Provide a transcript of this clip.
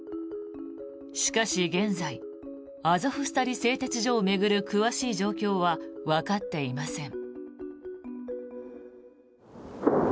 しかし現在アゾフスタリ製鉄所を巡る詳しい状況はわかっていません。